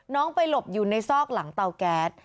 น้องไปหลบอยู่ในซอกหลังเตาแก๊ส